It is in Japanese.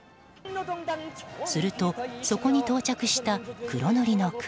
すると、そこに到着した黒塗りの車。